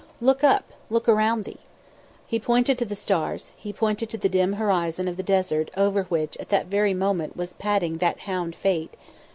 Look up; look around thee." He pointed to the stars, he pointed to the dim horizon of the desert over which at that very moment was padding that hound Fate.